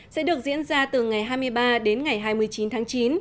sẽ được diễn ra từ ngày hai mươi ba đến ngày hai mươi chín tháng chín